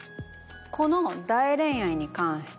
この。